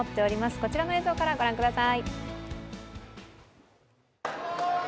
こちらの映像からご覧ください。